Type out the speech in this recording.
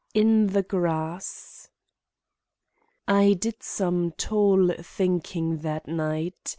IN THE GRASS I did some tall thinking that night.